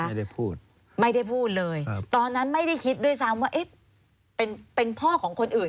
ไม่ได้พูดไม่ได้พูดเลยตอนนั้นไม่ได้คิดด้วยซ้ำว่าเอ๊ะเป็นเป็นพ่อของคนอื่น